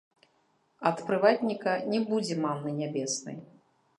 Ад прыватніка не будзе манны нябеснай.